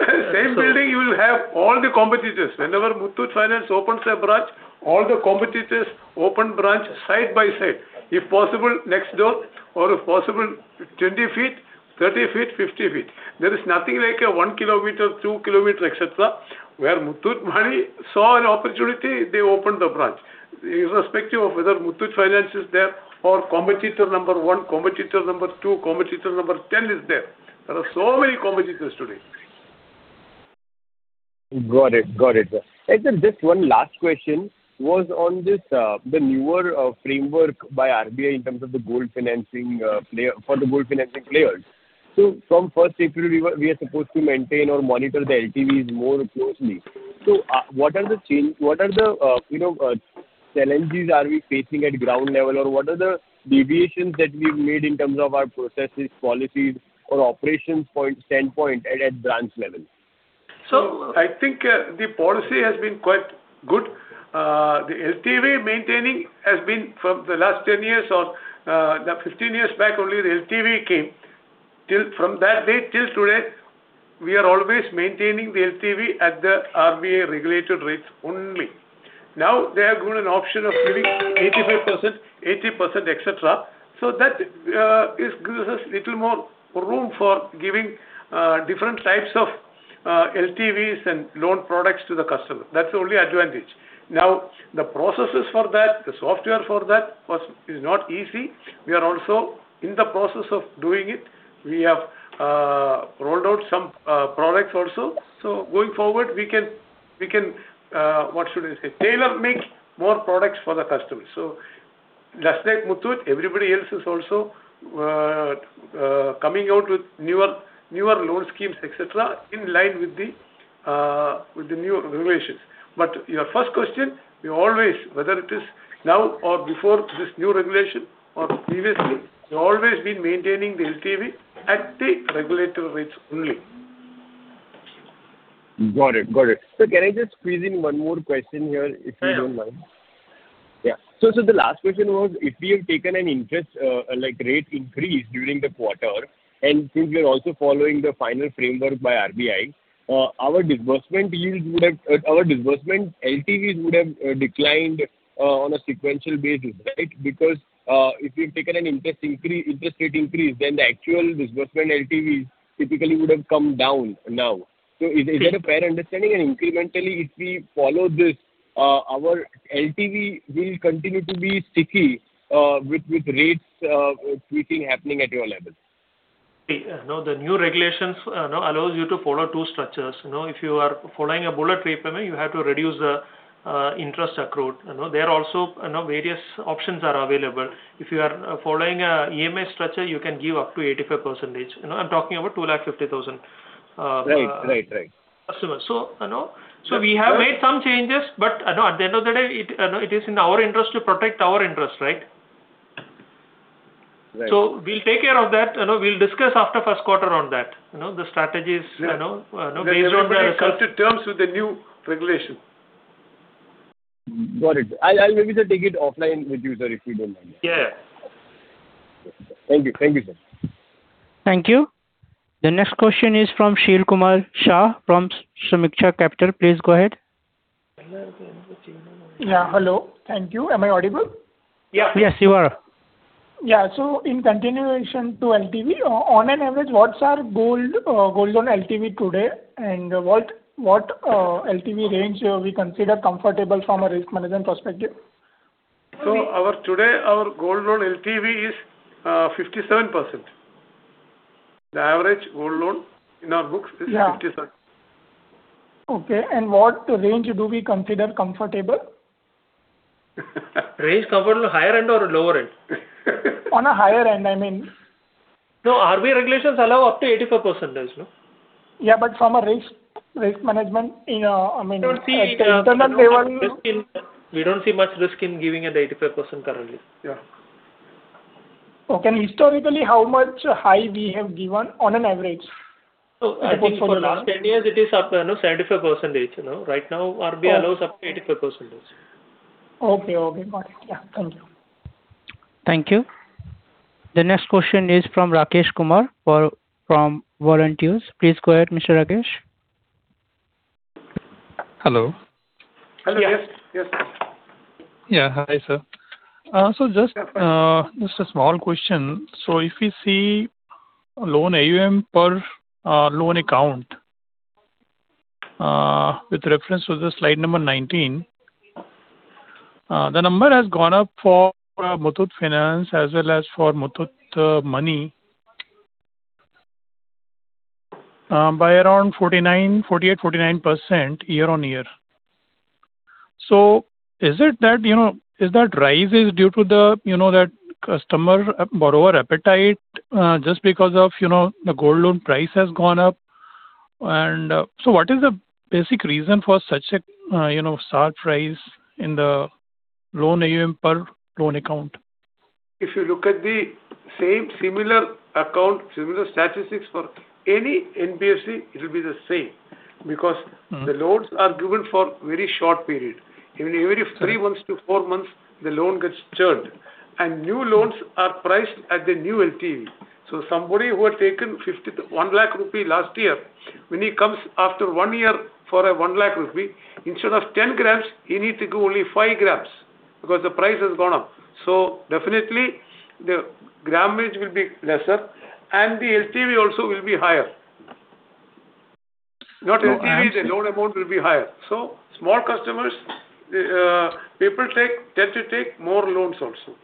Same building you will have all the competitors. Whenever Muthoot Finance opens a branch, all the competitors open branch side by side. If possible, next door, or if possible, 20 ft, 30 ft, 50 ft. There is nothing like a 1 km, 2 km, etc. Where Muthoot Money saw an opportunity, they opened a branch. Irrespective of whether Muthoot Finance is there or competitor Number 1, competitor Number 2, competitor Number 10 is there. There are so many competitors today. Got it. Got it. Just one last question was on this, the newer framework by RBI in terms of the gold financing player, for the gold financing players. From first April, we are supposed to maintain or monitor the LTVs more closely. What are the, you know, challenges are we facing at ground level or what are the deviations that we've made in terms of our processes, policies, or operations standpoint at branch level? I think the policy has been quite good. The LTV maintaining has been from the last 10 years or the 15 years back only the LTV came. Till from that date till today, we are always maintaining the LTV at the RBI regulated rates only. Now, they have given an option of giving 85%, 80%, etc. That is, gives us little more room for giving different types of LTVs and loan products to the customer. That's the only advantage. Now, the processes for that, the software for that was, is not easy. We are also in the process of doing it. We have rolled out some products also. Going forward we can, we can, what should I say, tailor-make more products for the customers. Just like Muthoot, everybody else is also coming out with newer loan schemes, etc, in line with the new regulations. Your first question, we always, whether it is now or before this new regulation or previously, we've always been maintaining the LTV at the regulatory rates only. Got it. Got it. Sir, can I just squeeze in one more question here if you don't mind? Yeah. The last question was if we have taken an interest rate increase during the quarter, and since we are also following the final framework by RBI, our disbursement LTVs would have declined on a sequential basis, right? If we've taken an interest increase, interest rate increase, then the actual disbursement LTVs typically would have come down now. Is that a fair understanding? Incrementally, if we follow this, our LTV will continue to be sticky with rates tweaking happening at your level. No, the new regulations, you know, allows you to follow two structures. You know, if you are following a bullet repayment, you have to reduce the interest accrued. You know, there are also, you know, various options are available. If you are following a EMI structure, you can give up to 85%. You know, I'm talking about 0.025 crore. Right. Right. Right. You know. Right We have made some changes, but, you know, at the end of the day, it, you know, it is in our interest to protect our interest, right? Right. We'll take care of that. You know, we'll discuss after first quarter on that. You know. Yeah. You know, you know, based on the- Everybody comes to terms with the new regulation. Got it. I'll maybe just take it offline with you, sir, if you don't mind. Yeah. Thank you. Thank you, sir. Thank you. The next question is from Sheel Shah from Sameeksha Capital. Please go ahead. Yeah. Hello. Thank you. Am I audible? Yeah. Yes, you are. In continuation to LTV, on an average, what are gold loan LTV today, and what LTV range we consider comfortable from a risk management perspective? Our today, our gold loan LTV is 57%. The average gold loan in our books is. Yeah. 57%. Okay. What range do we consider comfortable? Range comfortable higher end or lower end? On a higher end, I mean. No, RBI regulations allow up to 85%, no? Yeah, but from a risk management, you know, I mean, at internal level you. We don't see, we don't see risk in, we don't see much risk in giving an 85% currently. Yeah. Okay. Historically, how much high we have given on an average? I think for last 10 years it is up, you know, 75%, you know. Right now RBI allows up to 85%. Okay. Okay. Got it. Yeah. Thank you. Thank you. The next question is from Rakesh Kumar from B&K. Please go ahead, Mr. Rakesh. Hello. Hello. Yes. Yes. Hi, sir. A small question. If you see loan AUM per loan account, with reference to the slide number 19, the number has gone up for Muthoot Finance as well as for Muthoot Money by around 49%, 48%, 49% year-on-year. Is it that, you know, is that rise is due to the, you know, that customer borrower appetite just because of, you know, the gold loan price has gone up? What is the basic reason for such a, you know, sharp rise in the loan AUM per loan account? If you look at the same similar account, similar statistics for any NBFC, it will be the same. Loans are given for very short period. Every 3 months-4 months, the loan gets churned, and new loans are priced at the new LTV. Somebody who had taken 50,000 to 1 lakh rupee last year, when he comes after one year for a 1 lakh rupee, instead of 10 g, he need to give only 5 g because the price has gone up. Definitely the grammage will be lesser and the LTV also will be higher. No, I am. The loan amount will be higher. Small customers, people tend to take more loans also.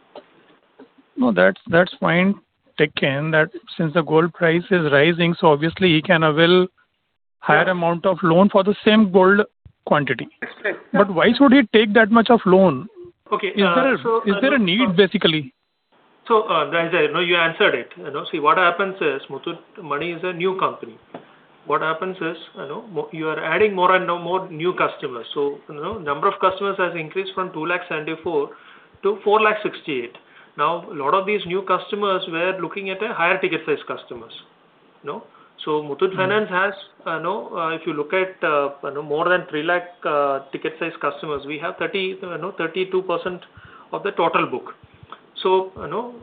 No, that's point taken that since the gold price is rising, obviously he can avail higher amount of loan for the same gold quantity. Exactly. Why should he take that much of loan? Okay. Is there a need basically? That, that, you know, you answered it. You know, see what happens is Muthoot Money is a new company. What happens is, you know, you are adding more and more new customers. You know, number of customers has increased from 274,000-468,000. Now, lot of these new customers were looking at a higher ticket size customers. You know? Muthoot Finance has, you know, if you look at, you know, more than 300,000 ticket size customers, we have 30%, you know, 32% of the total book. You know,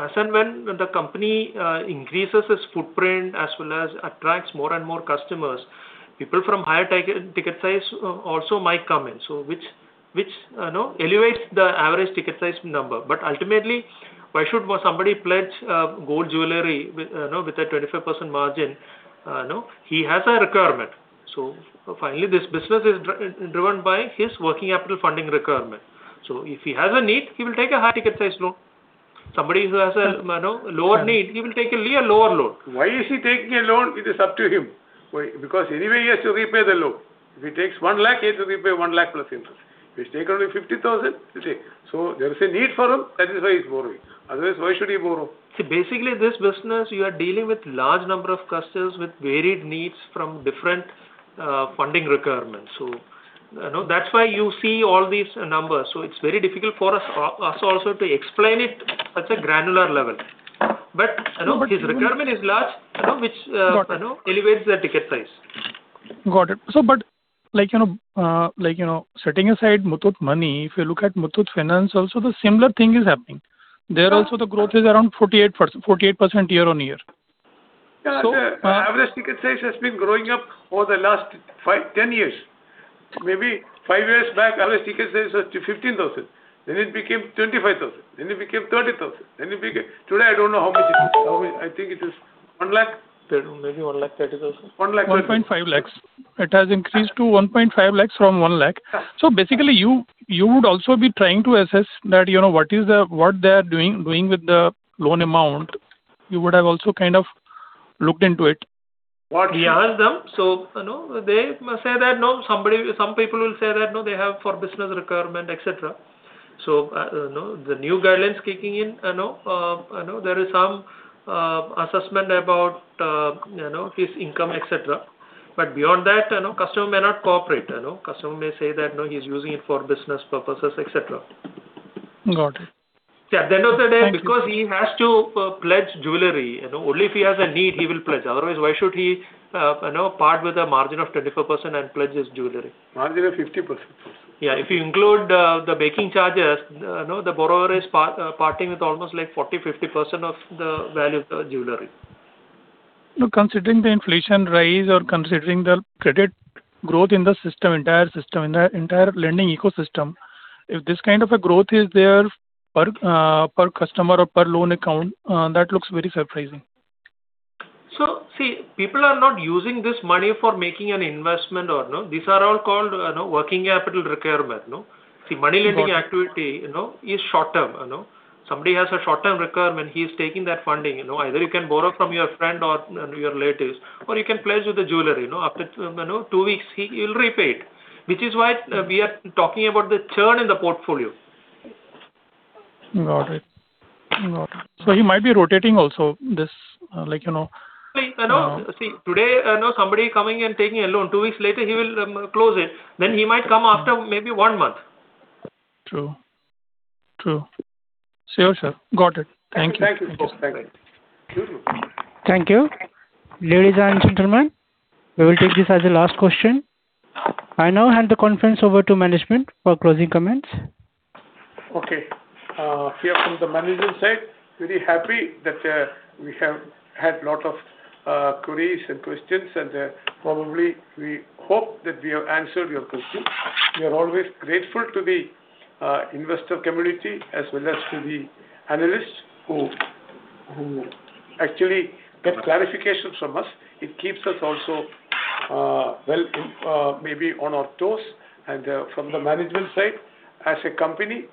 as and when the company increases its footprint as well as attracts more and more customers, people from higher ticket size also might come in, which, you know, elevates the average ticket size number. Ultimately, why should somebody pledge gold jewelry with, you know, with a 25% margin? You know, he has a requirement. Finally this business is driven by his working capital funding requirement. If he has a need, he will take a high ticket size loan. Somebody who has a, you know, lower need, he will take a lower loan. Why is he taking a loan? It is up to him. Why? Because anyway he has to repay the loan. If he takes 1 lakh, he has to repay 1 lakh plus interest. If he takes only 50,000, he'll take. There is a need for him. That is why he's borrowing. Otherwise, why should he borrow? See, basically this business you are dealing with large number of customers with varied needs from different funding requirements. You know, that's why you see all these numbers. It's very difficult for us also to explain it at a granular level. You know, his requirement is large, you know. Got it. You know, elevates the ticket size. Got it. Like, you know, setting aside Muthoot Money, if you look at Muthoot Finance also the similar thing is happening. There also the growth is around 48%, 48% year-on-year. The average ticket size has been growing up over the last five, 10 years. Maybe five years back, average ticket size was to 15,000. It became 25,000, then it became 30,000, then it became Today, I don't know how much it is. How much? I think it is 1 lakh. Maybe 1,30,000. 130,000. 1.5 lakhs. It has increased to 1.5 lakhs from 1 lakh. Basically, you would also be trying to assess that, you know, what is the, what they're doing with the loan amount. You would have also kind of looked into it. What- We ask them. You know, they say that no, somebody, some people will say that, "No, they have for business requirement," etc. You know, the new guidelines kicking in, you know, there is some assessment about, you know, his income etc. Beyond that, you know, customer may not cooperate, you know. Customer may say that, "No, he's using it for business purposes," etc. Got it. At the end of the day. Thank you. Because he has to pledge jewelry, you know, only if he has a need he will pledge. Otherwise, why should he, you know, part with a margin of 25% and pledge his jewelry? Margin is 50%. Yeah, if you include the making charges, you know, the borrower is parting with almost like 40%-50% of the value of the jewelry. Considering the inflation rise or considering the credit growth in the entire system, in the entire lending ecosystem, if this kind of a growth is there per customer or per loan account, that looks very surprising. See, people are not using this money for making an investment or no, these are all called, you know, working capital requirement no. Money lending activity, you know, is short-term, you know. Somebody has a short-term requirement, he is taking that funding, you know. Either you can borrow from your friend or, your relatives, or you can pledge with the jeweler, you know. After, you know, two weeks he will repay it. Which is why we are talking about the churn in the portfolio. Got it. Got it. He might be rotating also this, like, you know. See, you know. See, today, you know, somebody coming and taking a loan, two weeks later he will close it. He might come after maybe one month. True. True. Sure, sir. Got it. Thank you. Thank you. Thank you. Thank you. Ladies and gentlemen, we will take this as the last question. I now hand the conference over to management for closing comments. Okay. Here from the management side, very happy that we have had lot of queries and questions, and probably we hope that we have answered your questions. We are always grateful to the investor community as well as to the analysts who actually get clarifications from us. It keeps us also well, maybe on our toes. From the management side, as a company,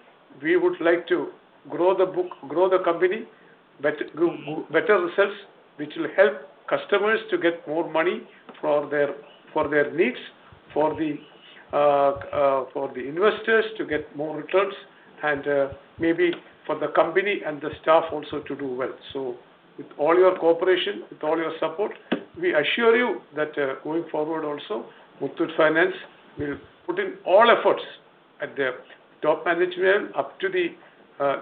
we would like to grow the book, grow the company, better results, which will help customers to get more money for their needs, for the investors to get more returns and maybe for the company and the staff also to do well. With all your cooperation, with all your support, we assure you that, going forward also, Muthoot Finance will put in all efforts at the top management up to the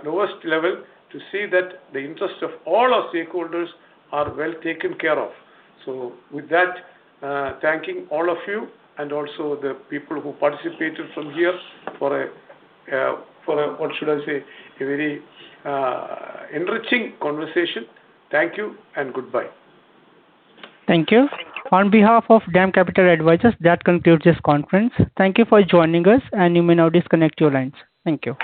lowest level to see that the interest of all our stakeholders are well taken care of. With that, thanking all of you and also the people who participated from here for a, what should I say, a very enriching conversation. Thank you and goodbye. Thank you. On behalf of DAM Capital Advisors, that concludes this conference. Thank you for joining us, and you may now disconnect your lines. Thank you.